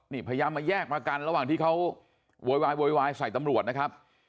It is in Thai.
นี่พยายามมาแยกมากันระหว่างที่เขาโวยวายโวยวายใส่ตำรวจนะครับ